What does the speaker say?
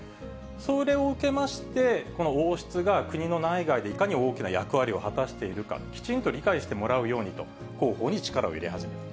それを受けまして、この王室が国の内外でいかに大きな役割を果たしているか、きちんと理解してもらうようにと、広報に力を入れ始めた。